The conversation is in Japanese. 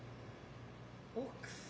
奥様